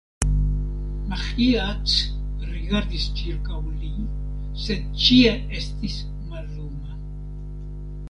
Maĥiac rigardis ĉirkaŭ li, sed ĉie estis malluma.